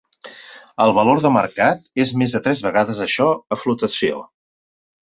El valor de mercat és més de tres vegades això a flotació.